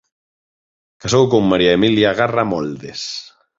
Casou con María Emilia Garra Moldes.